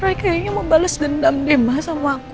roy kayaknya mau bales dendam deh ma sama aku